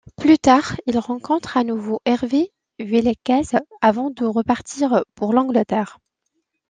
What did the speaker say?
Plus tard, il rencontre à nouveau Hervé Villechaize avant de repartir pour l'Angleterre.